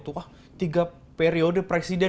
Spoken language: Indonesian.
wah tiga periode presiden